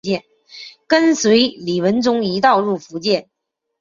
跟随李文忠一道入福建。